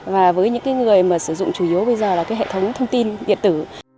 và với những người sử dụng chủ yếu bây giờ là hệ thống thông tin điện tử